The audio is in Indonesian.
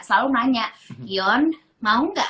selalu nanya kion mau gak